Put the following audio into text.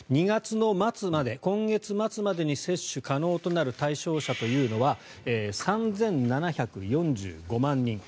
２月末まで、今月末までに接種可能となる対象者というのは３７４５万人。